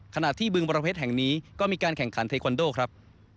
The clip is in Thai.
ขณะที่บึงบรเพชรแห่งนี้ก็มีการแข่งขันเทคอนโดครับ